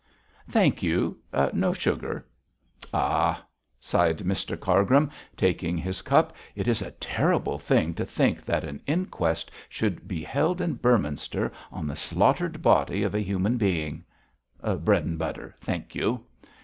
'Thank you; no sugar. Ah!' sighed Mr Cargrim, taking his cup, 'it is a terrible thing to think that an inquest should be held in Beorminster on the slaughtered body of a human being. Bread and butter! thank you!'